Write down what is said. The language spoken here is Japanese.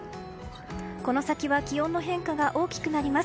この先は気温の変化が大きくなります。